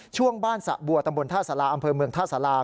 ช่วงบ้านสะบัวตำบลท่าสาราอำเภอเมืองท่าสารา